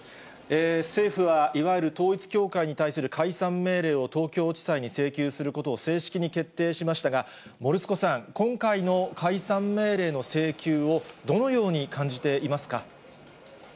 政府はいわゆる統一教会に対する解散命令を東京地裁に請求することを正式に決定しましたが、もるすこさん、今回の解散命令の請求を、どのように感じていますか？